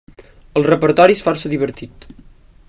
El repertori és força divertit.